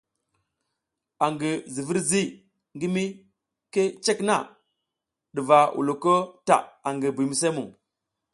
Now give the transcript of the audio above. Angi zivir ngi mike cek na ɗuva wuluko ta angi Buymisemuŋ.